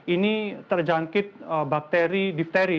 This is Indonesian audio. ini terjangkit bakteri diphteri